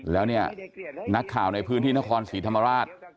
แล้วเนี่ยนักข่าวในพื้นที่นครศรีธรรมราช